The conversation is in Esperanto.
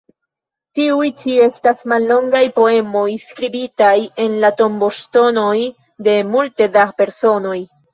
Tiuj ĉi estas mallongaj poemoj skribitaj en la tomboŝtonoj de multe da personoj.